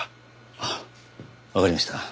あっわかりました。